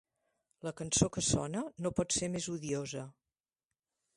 La cançó que sona no pot ser més odiosa.